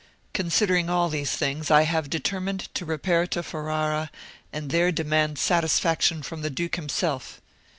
Considering all these things, I have determined to repair to Ferrara, and there demand satisfaction from the duke himself.